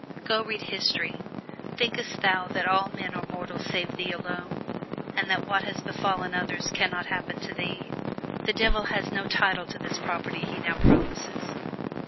Go read history! Thinkest thou that all men are mortal save thee alone, and that what has befallen others can not happen to thee? The Devil has no title to this property he now promises.